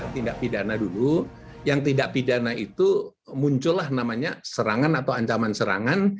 tindak pidana dulu yang tindak pidana itu muncullah namanya serangan atau ancaman serangan